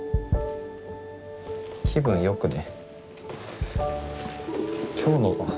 気分良くね。